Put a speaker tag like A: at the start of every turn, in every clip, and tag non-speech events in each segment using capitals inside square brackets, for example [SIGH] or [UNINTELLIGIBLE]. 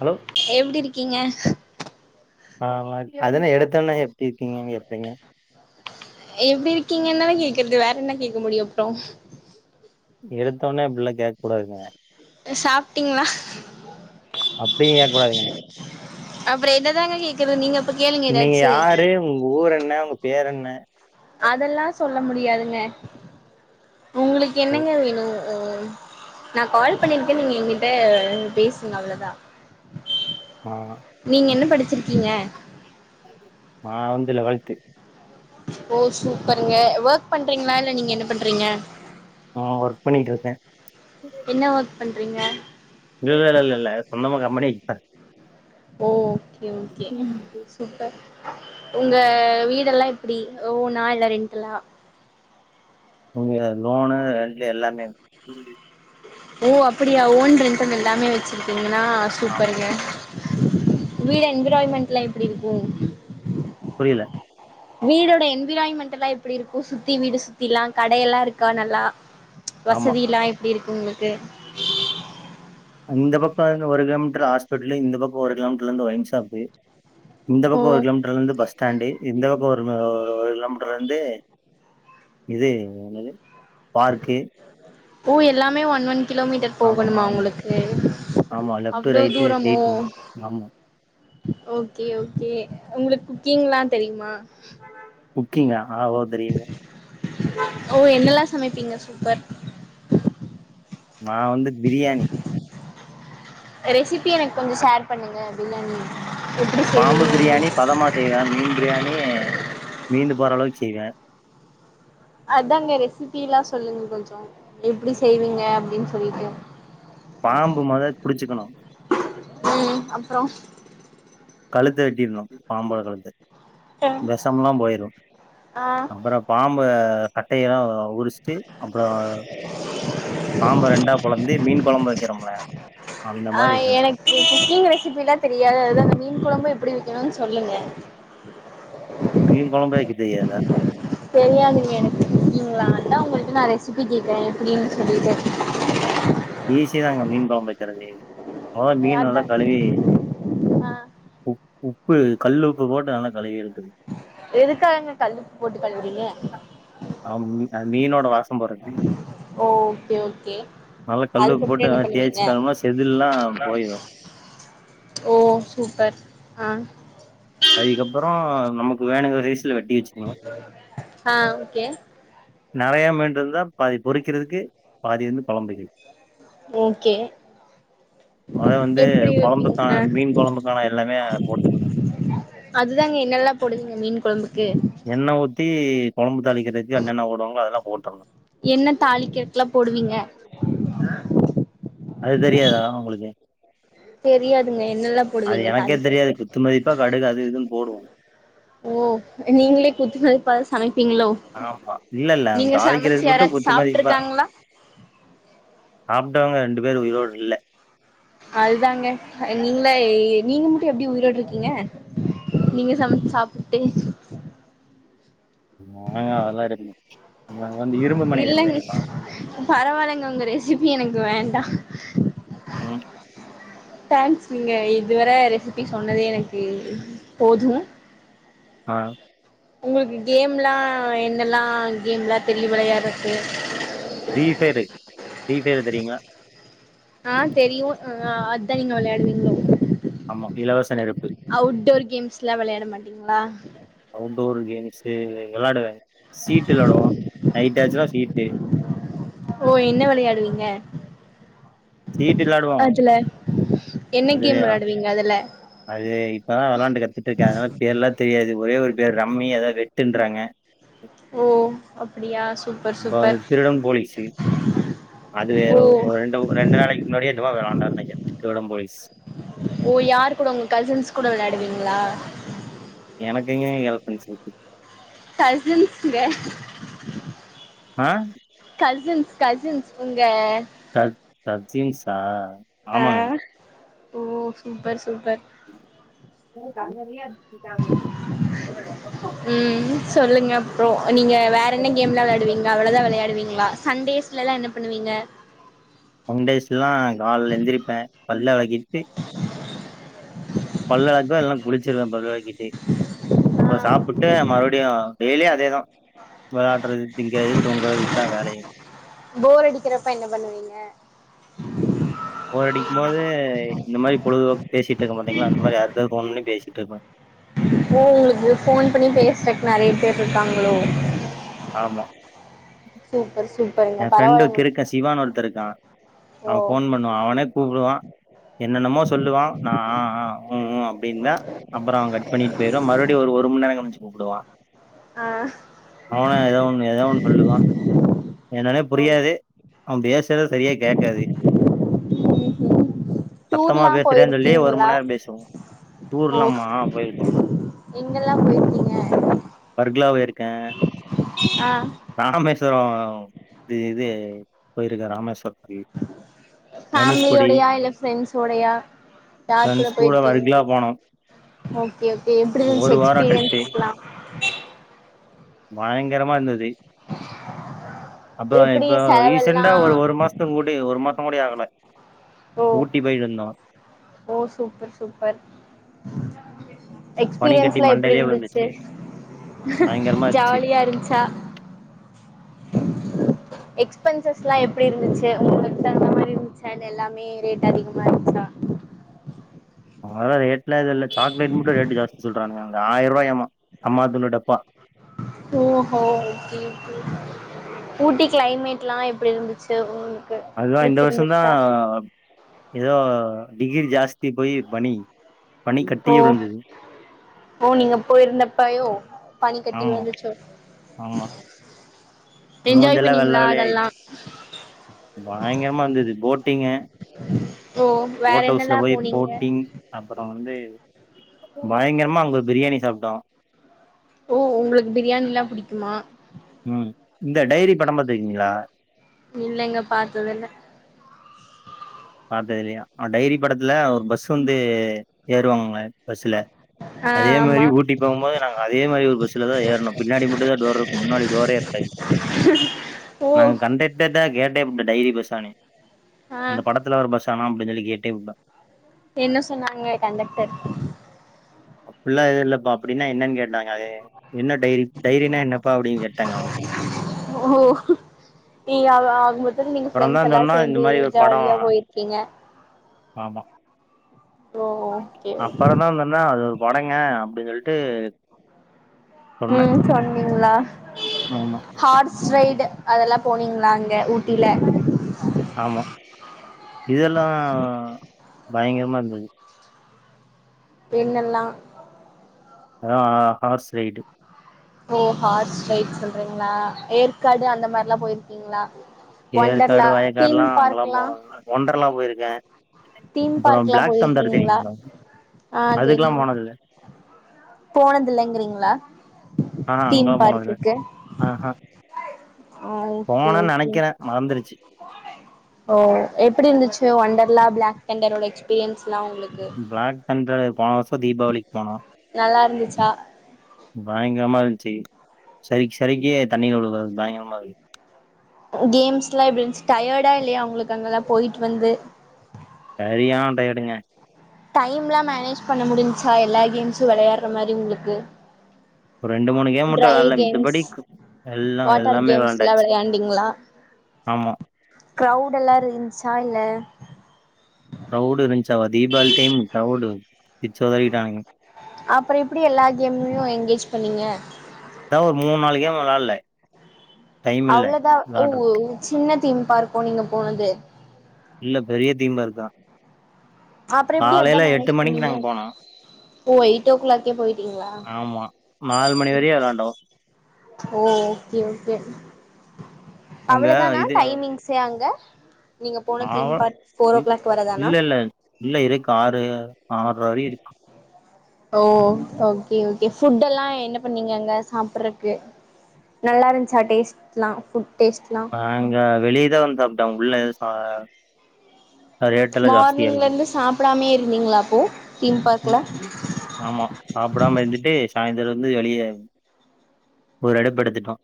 A: Hello
B: எப்டி இருக்கீங்க
A: ஆமா அதென்ன எடுத்தவுட்னே எப்டி இருக்கீங்கன்னு கேப்பீங்க
B: எப்டி இருக்கீங்கன்னுதான கேக்குறது வேற என்ன கேக்க முடியு அப்றோ
A: எடுத்தோடனே அப்டிலா கேக்க கூடாதுங்க
B: சாப்ட்டீங்களா
A: அப்டியு கேக்கக்கூடாதுங்க
B: அப்றோ என்னதாங்க கேக்குறது நீங்க அப்ப கேளுங்க
A: நீங்க
B: ஏதாச்சு
A: யாரு உங்க ஊர் என்ன உங்க பேர் என்ன
B: அதெல்லா சொல்ல முடியாதுங்க உங்களுக்கு
A: ஓ,
B: என்னங்க வேணு அஹ் நான் கால் பண்ணிருக்கே நீங்க என்கிட்ட பேசுங்க அவ்ளோதா
A: ஆ
B: நீங்க என்ன படிச் வச்சிருக்கீங்க
A: நா வந்து லெவல்த்து
B: ஓ சூப்பருங்க ஒர்க் பண்றீங்களா இல்ல நீங்க என்ன பண்றீங்க
A: ஆஹ் ஒர்க் பன்னிட்ருக்கே
B: ங்க
A: இல்ல இல்ல இல்ல சொந்தமா கம்பெனி வைக்கதா
B: ஓ ஓகே ஓகே சூப்பர் உங்க வீடெல்லா எப்டி ஓனா இல்ல ரென்ட்டலா
A: உங்க லோனு ரெண்ட்டுல எல்லாமே
B: ஓ அப்டியா ஓன் ரன் பன்ற எல்லாமே வச்சிருக்கு என்னா
A: ஆம்
B: சூப்பருங்க வீடு என்விராய்மெண்ட்லா எப்டி இருக்கும்
A: புரியல
B: வீடோட என்விராயமெண்டலா எப்டி இருக்கு சுத்தி வீடு சுத்திலா கடயெலா இருக்கா நல்லா
A: ஆமா
B: வசதிலா எப்டி இருக் உங்களுக்கு
A: இந்த பக்கம் இருந்து ஒரு கிலோமீட்டர் ஹாஸ்பிடலு இந்த பக்கம் ஒரு கிலோமீட்டர்ல இருந்து ஒயின்ஷாப் இந்த
B: ஓ
A: பக்கம் ஒரு கிலோமீட்டர்ல இருந்து பஸ் ஸ்டாண்டு் இந்த பக் ன்னு ஒரு ஒரு கிலோமீட்டர் இருந்து இது என்னது பார்க்கு
B: ஓ எல்லாமே ஒன் ஒன் கிலோமீட்டர்
A: ஆமா
B: போகணுமா
A: ஆமா
B: உங்களுக்கு
A: ஆமா லெஃப்ட்
B: அவ்ளோ
A: ரைட்டு
B: தூரமோ
A: ஸ்ட்ரைட்டுங்க ஆமா
B: ஓகே ஓகே உங்களுக்கு குக்கிங்லா தெரியுமா
A: குக்கிங்கா ஆ ஓ தெரியுமே
B: ஓ என்னல்லாம் சமைப்பீங்க சூப்பர்
A: நான் வந்து பிரியாணி
B: ரெசிபி எனக்கு கொஞ்சம் ஷேர் பண்ணுங்க பிரியாணி எப்டி
A: பாம்பு பிரியாணி
B: செய்வீங்கன்னு
A: பதமா செய்வேன் மீன் பிரியாணி மீண்டு போறளவுக்கு செய்வே
B: அதாங்க ரெசிபி எல்லாம் சொல்லுங்க கொஞ்சம் எப்படி செய்வீங்க அப்படின்னு சொல்லிட்டு
A: பாம்பு முத புடிச்சுக்கணும்
B: ம் அப்றோ
A: கழுத்த வெட்டிருனும் பாம்போட கழுத்தை வெசம்ல்லாம் போயிரும்
B: ஆ
A: அப்புறம் பாம்ப கட்டாய உரிச்சிட்டு அப்புறம் பாம்ப ரெண்டா நம்ம எப்டி மீன் குழம்பு வக்கிறோம்ல
B: ஆஹ் எனக்கு குக்கிங் ரெசிபிலாம் தெரியாது அதுதான் மீ மீன் குழம்பு எப்படி வெய்க்கணுன்னு சொல்லுங்க
A: மீன் கொலம்பே வெய் தியதா
B: தெரியாதுங்க எனக்கு ஒக்கீங்களா அதா உங்கள்டா நான் ரெசிபி கேட்டேன் எப்டின்னு சொல்லிட்டு
A: ஈசிதாங்க மீன் கொழம்பு வெய்க்கிறது அதான் மீன் நல்லா
B: அதா
A: கழுவி
B: ஆ
A: உ உப்பு கல்லு உப்பு போட் ஆன கழுவியல்
B: எதுக்காகங்க கல்லுப்பு போட்டு கழுவறீங்க
A: ஆ மீனோட வாசம் போறதுக்கு
B: ஓகே ஓகே
A: நல்லா கல்லு
B: அதுக்கப்புறம்
A: போட்டு
B: என்ன
A: நல்லா
B: பண்ணுவீங்க
A: தேய்ச்சுட்டோம்னா செதில்லா போயிரு.
B: ஓ சூப்பர் ஆ
A: அதுக்கப்புறம் நமக்கு வேணுங்க
B: ஆஹ் ஓகே
A: நிறைய மீனுறுந்தா பாதி பொறிக்கிறதுக்கு பாதி வந்து குழம்பு வைக்க
B: ஓகே
A: மொத வந்து
B: எப்டி ஹ
A: கொழம்புக்கான மீன் கொழம்புக்கான எல்லாமே போட்டுக்கணு.
B: அதுதாங்க என்னல்லா கொடுங் மீன் குழம்பு
A: என்ன ஊத்தி குழம்பு தாளிக்கிறதுக்கு என்னெல்லாம் போடுவாங்களோ அதெல்லாம் போட்றுனும்
B: என்ன தாளிக்கிரதுக்கெல்லாம் போடுவீங்க
A: அது தெரியாதா உங்களுக்கு
B: தெரியாதுங்க என்னலாம்
A: அது
B: போடுவீங்க
A: எனக்கே தெரியாது
B: தாளிக்கரதுக்கு
A: குத்து மதிப்பா கடுகு அது இதுன்னு போடுவோ.
B: ஓ நீங்களே குத்து மதிப்பா சொல் அது ங்களோ
A: ஆமா. இல்ல இல்ல
B: நீங்க சமைச்ச
A: தாளிக்கிறதுக்கு மட்டும்
B: யாராச்சும்
A: குத்து மதிப்பா.
B: சாப்பட்டுருக்காங்களா
A: சாப்பட்டவங்க ரெண்டு பேர் உயிரோடு இல்ல
B: அதுதாங்க நீங்கள நீங்க மட்டும் எப்டி உயிரோடு இருக்கீங்க நீங்க சமைச்சிசாப்பட்டு
A: நாங்க அதல்லா இரு நாங்க வந்து இரும்பு மனிதன்
B: இல்லங்க
A: தெரியுமா
B: சிபி எனக்கு வேண்டாம்
A: [INAUDIBLE]
B: தேங்க்ஸ் நீங்க இதுவர ரெசிபி சொன்னதே எனக்கு போதும்
A: ஆ
B: உங்களுக்கு கேம் எல்லாம் என்னெல்லாம் கேம் எலாம் தெரியும் விலையாடருதுக்கு இருக்கு
A: [INAUDIBLE] தெரியீங்கலா
B: ஆ தெரியும்ஆ அதுதான் நீங்க விளையாடுவீங்களோ
A: ஆமா. இலவச நெருப்பு.
B: அவுடோர் கேம்ஸ் எல்லாம் விளையாட மாட்டீங்களா
A: சரி விளையாடுவேன் சீட்டு விலடுவோம் நைட் ஆச்சின சீட்டு
B: ஓ என்ன விளையாடுவீங்க
A: சீட்டு விளாடுவோம்
B: என்ன கேம்
A: அதுலையா
B: வெளையாடுவீங்க அதுல
A: அது இப்பதான் விளாண்டு கத்துட்டு இருக்கேன் அதனால பேர் எல்லாம் தெரியாது ஒரே ஒரு பேர் ரம்மி அதாவ வெ தின்றாங்க
B: ஓ அப்படியா சு
A: அப்ப திருடன் போலீச்சு அது
B: ஓ
A: ரெண்டு ரெண்டு நாளைக்கு முன்னாடியே இங்வா வேளண்ட கடும்திருடன் போலிஸ்
B: ஓ யார் கூட உங்க கசின்ஸ் கூட விளையாடுவீங்களா
A: எனக்குங்க ஹல் பிரண்ஸ் இருக்கு
B: கசின்ஸ்கே
A: ஆஹ
B: கசின்ஸ் கசின்ஸ் உங்க
A: க கஜீம்ஸா
B: ஆ
A: ஆமாங்க
B: ஓ சூப்பர் சூப்பர்
A: [INAUDIBLE]
B: உ சொல்லுங்க அப்பறம் நீங்க வேற என்ன கேம்லாம் விளையாடுவீங்களா அவ்வளவுதான் விளையாடுவீங்களா சண்டேஸ்லல்லாம் என்ன பண்ணுவீங்க
A: ஒன் டேஸ்ல எல்லாம் காலல எழுந்திரிப்பேன் பல்ல வேழகிட்டு பல்லளக்க எல்லாம் குளிச்சிருவேன் பல்லளக்கிட்டு அப்புறம்
B: ஆ
A: சாப்பிட்டு மறுபடியும் டெய்லியும் அதேதான் விளாடடுறது திங்கது தூங்கறதுஇதன் வேலயே
B: போர் அடிக்கிறப்ப என்ன பண்ணுவீங்க [UNINTELLIGIBLE]
A: போரடிக்கும் போது இந்த மாரி பொழுதுபோக்கு பேசிட்டு இருக்கே பாத்தீங்களா அந்த மாரி யார் கெட்டயாவது போன் பண்ணி பேசி ட்டுருப்பே
B: ஓ உங்களுக்கு போன் பண்ணி பேசுறக்கு நெறைய பேர்யிருக்காங்களோ
A: ஆமா
B: சே
A: என் ஃப்ரெண்டு் கிருக்கே சிவான்னு ஒருத்தயிருக்கா
B: ஓ
A: அவன் போன் பண்ணுவா அவனே கூப்புடுவான் என்னென்னமோ சொல்லுவான் நா ஆ ஆ ஹு ஹு அப்டின்பே அப்புறோ அவன் கட் பண்ணிட்டு போயிருவா மறுபடியோ ஒரு ஒரு மணி நேரோ கழிச்சு கூப்பிடுவா
B: ஆ
A: அவன் ஏதோ ஒண்ணு ஏதோ ஒண்ணு சொல்லுவா என்னனே புரியாது
B: ஓகே
A: [INAUDIBLE] ரதே செரியா கேட்காது
B: ம்ஹும்
A: சத்தமா
B: டூர்லா
A: பேசுறேன்னு சொல்லி ஒரு மணி
B: போயிருக்கீங்களா
A: நேரோ பேசுவோ
B: ஓ
A: டூர்லாம்மா போயிருக்கோம்
B: எங்கெல்லா போயிருக்கீங்க
A: வர்கலா போயிருக்கே
B: ஆ
A: ராமேஸ்வரோ இது இது போயிருக்கே ராமேஸ்வரோ
B: ஃபேமிலியோடையா இல்ல ஃபிரெட்ஸ் ஓடையா யார் கூட
A: ஃப்ரெண்ட்ஸ்
B: போயிருக்கீங்க
A: வர்கலா போனோ
B: ஓகே ஓகே எப்டியிருச்சு
A: ஒரு வாரோ
B: எக்ஸ்பீரியன்சுல்லா
A: பயங்கரமாயிருந்துது அப்பறோ
B: எப்டி
A: இப்ப
B: செலவெல்லா
A: ரீசெண்டா ஒரு ஒரு மாசத்துக்கு முன்னாடி ஒரு மாசோ கூட ஆகல [INAUDIBLE]
B: ஓ
A: ஊட்டி போயிட்டு வந்தோ
B: ஓ சூப்பர் சூப்பர்
A: பனிக்கட்டி
B: எக்ஸ்பீரியன்ஸ்லா
A: மண்டையிலயே
B: எப்டியிருந்துச்சு
A: விழுந்துச்சு பயங்கரமா இருந்துச்சு
B: ஜாலியாயிருந்துச்சா எக்ஸ்பென்சஸ்லா எப்டியிருந்துச்சு உங்களுக்கேத்தா மாரியிருந்துச்சா இல்ல எல்லாமே ரேட் அதிகமாயிருந்துச்சா
A: அதல்லா ரேட்லா இதுயில்ல சாக்லேட் மட்டோ ரேட்டு ஜாஸ்தி சொல்றானுங்க அங்க ஆயரூபாயாம்மா அம்மாத்தூண்டு டப்பா
B: ஓஹோ ஊட்டி க்ளைமேட்லா எப்டியிருந்துச்சு
A: அதுதா இந்த வருஷோதா ஏதோ டிகிரி ஜாஸ்த்தி போயி பணி
B: ஓ ஓ நீங்க போயிருந்தப் பயோ பணி கட்டி
A: ஆமா
B: விழுந்துச்சோ
A: ஆமா
B: என்ஜாய்
A: மூஞ்செல்லா வெள்ள
B: பண்ணீங்களா
A: வெள்ளையாயிடுச்சு
B: அதெல்லாம்
A: டீங்க
B: ஓ வேற
A: போட் ஹவுஸ்ல
B: என்னெல்லாம்
A: போயி
B: போனீங்க
A: போட்டிங் அப்பறோ வந்து பயங்கரமா அங்க பிரியாணி சாப்பட்டோ
B: ஓ உங்களுக்கு பிரியாணில்லா புடிக்குமா
A: உம் இந்த டைரி படோ பாத்துயிருக்கீங்களா
B: இல்லங்க பாத்ததுயில்ல
A: பாத்ததுயில்லையா டைரி படத்துல ஒரு பஸ் வந்து ஏறுவாங்கங்க பஸ்ல
B: ஆ
A: அதே மாரி
B: ஆமாம்
A: ஊட்டி போகும்போது நாங்க அதே மாரி ஒரு பஸ்லதா ஏறுணோம் பின்னாடி மட்டோதா டோரிருக்கோ முன்னாடி டோரேயிருக்காது
B: ஓ
A: நாங்க கண்டெக்டர்ட கேட்டேபுட்டே டைரி பஸ்ஸானு
B: ஆ
A: பஸ் ஆானா அப்டின்னு சொல்லி கே விப்பேன்
B: என்ன சொன்னாங்க கண்டக்டர்
A: அப்பள்ளாம் இெல்லாம் ப்ப அப்படின்னா என்னன்னு கேட்டாங்க என்ன டைரி டைரினா என்னப்பா அப்படின்னு கேட்டாங்க அவன
B: ஓ நீங்க ஆக ஆக நீங்க பிரரெண்ட்ஸ் எல்லாம் சேர்ந்து ஜாலியா போயிருக்கீங்க
A: ஆமா
B: ஓ ஓகே ஓகே
A: அப்புறம தான் வந்தனா அது படங்க அப்படின்னு சொல்லிட்டு டூ
B: உம் சொன்னீங்களா
A: ஆமா
B: ஹார்ஸ் ரைடு அதெல்லாம் போனீங்களா இங்க ஊட்டில
A: ஆமா இதெல்லாம் பயங்கரமா இருந்தது
B: பெண்ணெல்லாம்
A: ஆஹ் ஹார்ஸ் ரைடு
B: ஓ ஹார்ஸ் ரைட் சொல்றீங்களா ஏற்காடு அந்த மாரில்லாம் போயிருக்கீங்களா ஒண்டர்ல
A: ஏற்காடு
B: தீம்
A: வயக்காடுலா அங்கெல்லா
B: பார்க்ல்லம்
A: போனதுல்ல ஒண்டர்லா போயிருக்கே
B: தீம்
A: அப்புற
B: பார்க் எல்லாம்
A: பிளாக் தண்டர்
B: போயிருக்கீங்களா
A: தெரியுங்களா
B: ஆ
A: அதுக்கெல்லா
B: தெரிய
A: போனதில்ல
B: போனதுலங்கீங்களா
A: ஆஹ் அங்க போதுது இல்ல ஆஹ்ஹ்
B: ஆ ஓகே
A: போனேு
B: ஓகே
A: நினைக்கிறேன் மறந்துருச்சு
B: ஓ எப்டி இருந்துச்சு ஒண்டர்லா பிளாக்ண்டரோட எக்ஸ்பீரியன்ஸ்
A: பிளாக் தண்டர் அது போன இப்ப தீபாவளிக்கு போனோம்
B: நல்லா இருந்துச்சா
A: பயங்கரமா இருந்துச்சு சரி சரிக்கே தண்ணில விழுது பயங்கரமா இரு
B: கேம்ஸ் எல்லாம் எப்படி இருந்துு டயர்டா இல்லையா அவங்களுக்கு அங்கெல்லாம் போயிட்டு வந்து
A: சரியினயடடுங்க
B: டைம் எல்லாம் மேனேஜ் பண்ண முடிஞ்சச்சா எல்லா கேம்ஸும் விளையாடுற மாதிரி உங்களுக்கு
A: ஒரு ரெண்டு மூணு கேம் மட்டும்
B: ட்ரை
A: விளடல
B: கேம்ஸ்
A: இதுபடி எல்லாம்
B: வாட்டர்
A: எல்லாமே
B: கேம்ஸ்லா
A: விளண்டாச்சு ஆமா
B: க்ரவுடெல்லாம் இரு இருந்துச்சா இல்ல
A: ரவுட இரு இச்ச தீபாவளி டைம் கிராவுடு பிச்சோதரிிட்டான்னுங்க
B: அப்பறம் இப்டி எல்லா கேம்லயும் எனங்கேஜ் பண்ணீங்க
A: அதான் ஒரு மூணு நாலு கேம் விளையாடுலா
B: அவ்ளத ஒவ் சின்ன தீம் பார்க்கோ நீங்க போனது
A: இல்ல பெரிய தீம்பர் தான்
B: அப்றோ எப்டி அதா
A: காலையில எட்டு
B: மேனேஜ்
A: மணிக்கு
B: பண்ணீங்க
A: நாங்க போனோம்
B: ஓ ஒயிடோ களாக்கே போயிட் டிங்களா
A: நாலு மணி
B: ம்
A: வரையு வெளாண்டோ
B: ஓ-ஓகே-ஓகே
A: அங்க
B: அவ்ளோதானா
A: இது
B: டைமிங்ஸே அங்க நீங்க போன
A: ஆவ
B: தீம் பார்க் போர் ஓ
A: இல்
B: கிளாக் வரதானா
A: இல்ல இல்ல இல்ல இருக் ஆறு ஆர்ற வரியருக்கு
B: ஓ ஓகே ஓகே ஃபுட்டெல்லா என்ன பண்ணீங்க அங்க சாப்பிடடுறதுக்கு நல்லா இருந்துச்சா டேஸ்ட்லாம் புட்
A: நாங்க வெளியேதா வந்து சாப்ட்டா உள்ள அ
B: மார்னிங்ல இருந்து சாப்பிடாமே இருந்தீங்களாப்போ தீம் பார்கல
A: சாயந்தர வந்து வெளிய ஒரு [UNINTELLIGIBLE] எடுத்துட்டோம்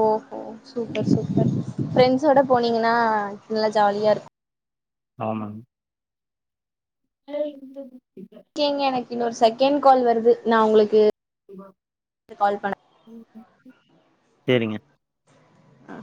B: ஓஹோ சூப்பர்-சூப்பர் ஃப்ரெண்ட்ஸோட போனீங்கன்னா நல்லா ஜாலியா இருக்கு
A: ஆமாங் [INAUDIBLE]
B: கேங்க எனக்கு இன்னொரு செகண்ட் கால் வருது நா உங்களுக்கு கால் பண்
A: [INAUDIBLE] செரிங்க
B: அ